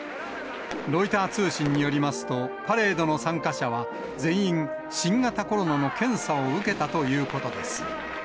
ロイター通信によりますと、パレードの参加者は、全員、新型コロナの検査を受けたということです。